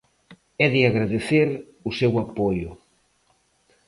É de agradecer o seu apoio.